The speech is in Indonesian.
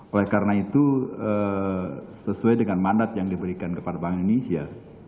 oleh karena itu sesuai dengan mandat yang diberikan kepada bank indonesia